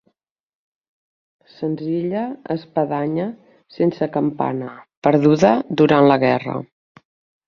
Senzilla espadanya sense campana, perduda durant la guerra.